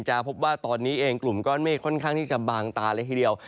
พบว่าตอนนี้เองกลุ่มก้อนเมฆค่อนข้างที่จะบางตาเลยทีเดียว